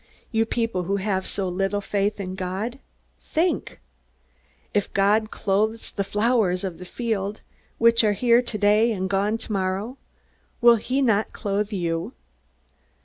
You people who have so little faith in God think! If God clothes the flowers of the field, which are here today and gone tomorrow, will he not clothe you?